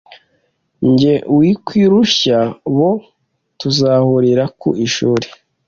njye: wikwirushya boo , tuzahurira ku ishuri